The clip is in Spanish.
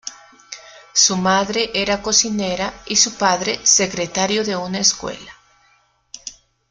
Su madre era cocinera y su padre, secretario de una escuela.